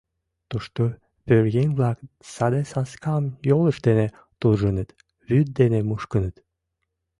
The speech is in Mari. Тушто пӧръеҥ-влак саде саскам йолышт дене туржыныт, вӱд дене мушкыныт.